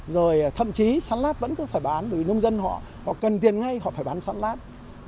rồi thậm chí sắn lát vẫn cứ phải bán vì nông dân họ họ cần tiền ngay họ phải bán sắn lát